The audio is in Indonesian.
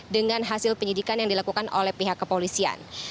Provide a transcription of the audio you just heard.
dengan hasil penyidikan yang dilakukan oleh pihak kepolisian